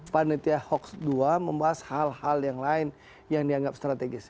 panitia hoax dua membahas hal hal yang lain yang dianggap strategis